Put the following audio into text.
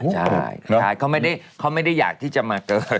ใช่เขาไม่ได้อยากที่จะมาเกิด